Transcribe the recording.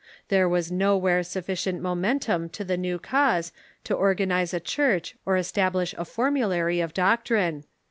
There was nowhere sufficient momentum to the new IN ITALY 271 cause to organize a Churcli or establish a formulary of doc " trine.